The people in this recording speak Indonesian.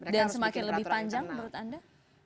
dan semakin lebih panjang menurut anda